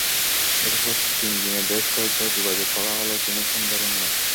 এরপর তিন দিনে বেশ কয়েকবার যোগাযোগ করা হলেও তিনি ফোন ধরেননি।